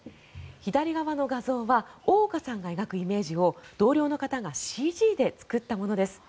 左側の画像は大岡さんが描くイメージを同僚の方がＣＧで作ったものです。